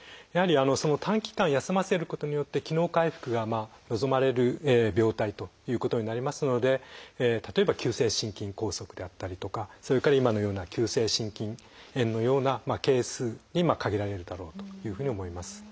やはり短期間休ませることによって機能回復が望まれる病態ということになりますので例えば急性心筋梗塞であったりとかそれから今のような急性心筋炎のようなケースに限られるだろうというふうに思います。